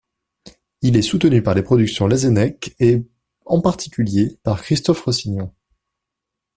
Il est soutenu par les productions Lazennec et en particulier par Christophe Rossignon.